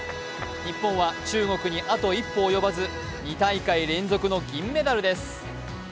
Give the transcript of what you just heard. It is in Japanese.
日本は中国にあと一歩及ばず２大会連続の銀メダルです。